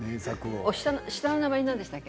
下の名前なんでしたっけ？